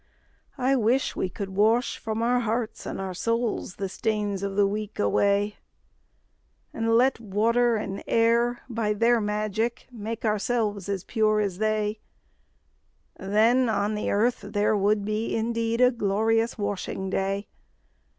I wish we could wash from our hearts and our souls The stains of the week away, And let water and air by their magic make Ourselves as pure as they; Then on the earth there would be indeed A glorious washing day!